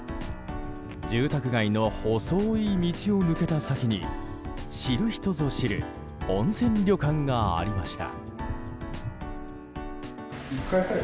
住宅街の細い道を抜けた先に知る人ぞ知る温泉旅館がありました。